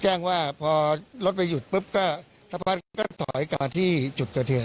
แจ้งว่าพอรถไปหยุดปุ๊บก็สักพักก็ถอยก่อนที่จุดเกิดเหตุ